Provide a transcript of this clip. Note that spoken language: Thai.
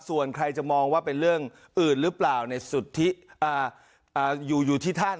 ส่วนใครจะมองว่าเป็นเรื่องอื่นหรือเปล่าในสุทธิอยู่ที่ท่าน